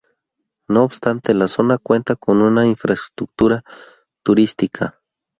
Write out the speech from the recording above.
No obstante, la zona cuenta con una infraestructura turística.